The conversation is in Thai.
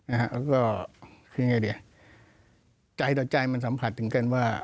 แล้วก็คือยังไงดีใจต่อใจมันสัมผัสถึงกันว่า